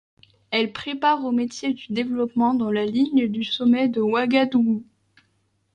Elle prépare aux métiers du développement dans la ligne du sommet de Ouagadougou.